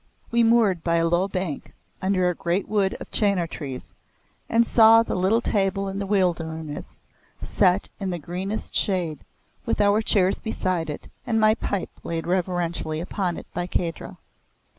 We moored by a low bank under a great wood of chenar trees, and saw the little table in the wilderness set in the greenest shade with our chairs beside it, and my pipe laid reverently upon it by Kahdra.